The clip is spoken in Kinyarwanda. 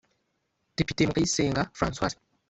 Depite Mukayisenga Françoise